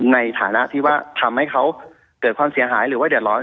ในฐานะที่ว่าทำให้เขาเกิดความเสียหายหรือว่าเดือดร้อน